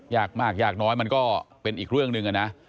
ยากมากยากน้อยมันก็เป็นอีกเรื่องหนึ่งนะ